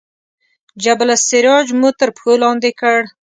جبل السراج مو تر پښو لاندې کړ.